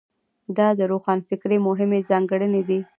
دا د روښانفکرۍ مهمې ځانګړنې دي.